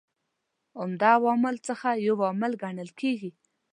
عمده عواملو څخه یو عامل کڼل کیږي.